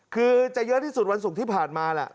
คือจะเยอะที่สุดวันศุกร์ที่ผ่านมาแหละ